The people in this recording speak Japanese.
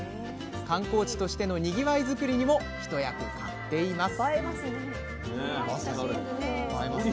観光地としてのにぎわい作りにも一役買っています